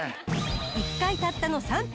１回たったの３分。